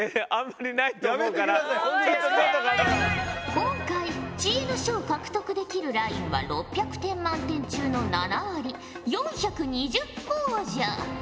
今回知恵の書を獲得できるラインは６００点満点中の７割４２０ほぉじゃ。